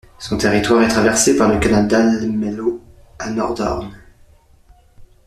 Son territoire est traversé par le Canal d'Almelo à Nordhorn.